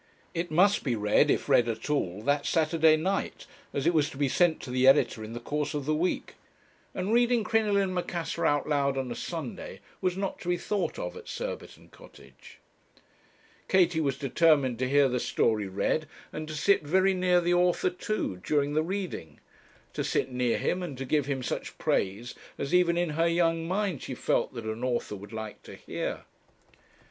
It must be read, if read at all, that Saturday night, as it was to be sent to the editor in the course of the week; and reading 'Crinoline and Macassar' out loud on a Sunday was not to be thought of at Surbiton Cottage. Katie was determined to hear the story read, and to sit very near the author too during the reading; to sit near him, and to give him such praise as even in her young mind she felt that an author would like to hear.